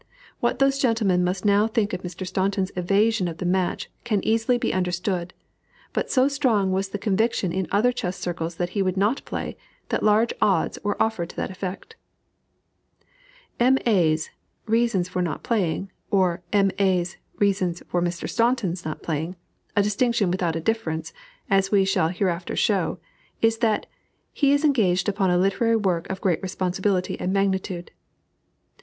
What those gentlemen must now think of Mr. Staunton's evasion of the match can easily be understood; but so strong was the conviction in other chess circles that he would not play, that large odds were offered to that effect. "M. A.'s" reasons for not playing, or "M. A.'s" reasons for Mr. Staunton's not playing a distinction without a difference, as we shall hereafter show is that "he is engaged upon a literary work of great responsibility and magnitude."